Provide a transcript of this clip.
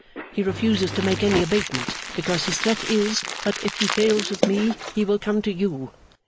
He refuses to make any abatement, because his threat is, that if he fails with me, he will come to you.